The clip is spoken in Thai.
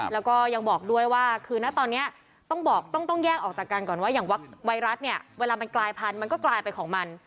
แล้วก็ยังบอกด้วยว่าคือนะตอนนี้ต้องบอกต้องแยกออกจากกันก่อนว่าอย่างไวรัสเนี่ยเวลามันกลายพันธุ์มันก็กลายเป็นของมัน